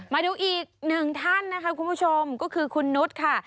มาดูอีกหนึ่งท่านนะคะคุณผู้ชมก็คือคุณนุษย์ค่ะ